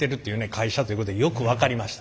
会社ということがよく分かりました。